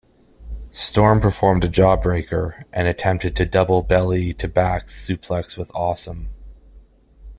Storm performed a jawbreaker, and attempted a double belly-to-back suplex with Awesome.